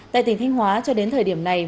tại tỉnh thanh hóa cho đến thời điểm này